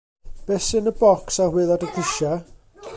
Be' sy' yn y bocs ar waelod y grisia'?